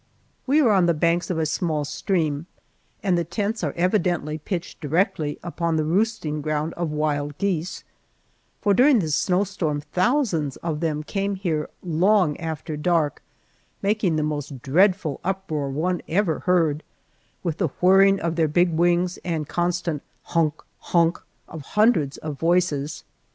We are on the banks of a small stream, and the tents are evidently pitched directly upon the roosting ground of wild geese, for during the snowstorm thousands of them came here long after dark, making the most dreadful uproar one ever heard, with the whirring of their big wings and constant "honk! honk!" of hundreds of voices.